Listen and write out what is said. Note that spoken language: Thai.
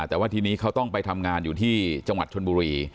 แต่ว่าทีนี้เขาต้องไปทำงานอยู่ที่จังหวัดชนบุรี